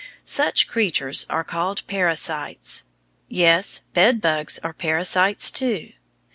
Such creatures are called parasites. Yes, bed bugs are parasites too.